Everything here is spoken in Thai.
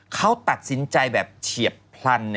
เขาตัดสินใจแบบเฉียบพลัน